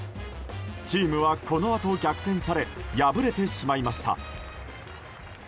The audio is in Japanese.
チームは、このあと逆転され敗れてしまいました。